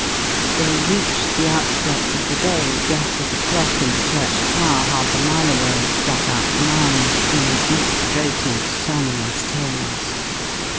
They reached the outskirts of the bay, just as a clock in the church tower half a mile away struck out nine, in deep throated, sonorous tones.